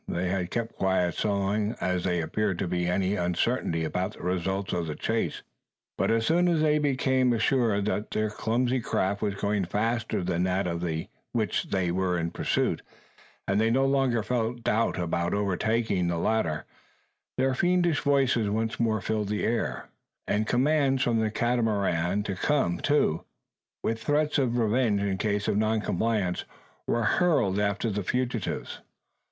They had kept quiet, so long as there appeared to be any uncertainty about the results of the chase; but as soon as they became assured that their clumsy craft was going faster than that of which they were in pursuit, and they no longer felt doubt about overtaking the latter, their fiendish voices once more filled the air; and commands for the Catamarans to come to, with threats of revenge in case of non compliance, were hurled after the fugitives.